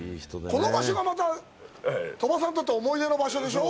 この場所が、また鳥羽さんにとって思い出の場所でしょう。